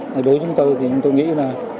đối với chúng tôi thì chúng tôi nghĩ là